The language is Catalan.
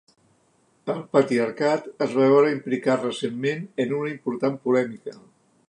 El patriarcat es va veure implicat recentment en una important polèmica.